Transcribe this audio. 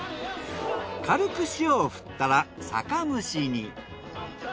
軽く塩を振ったら酒蒸しに。